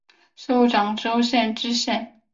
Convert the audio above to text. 授长洲县知县。